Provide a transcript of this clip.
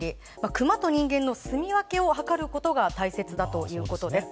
クマと人間のすみ分けを図ることが大切だということです。